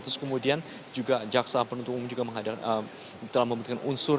terus kemudian juga jaksa penuntut umum juga telah memberikan unsur